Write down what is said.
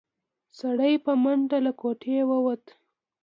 سړی په منډه له کوټې ووت.